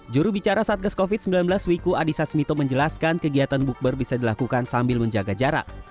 jurubicara satgas covid sembilan belas wiku adhisa smito menjelaskan kegiatan bukber bisa dilakukan sambil menjaga jarak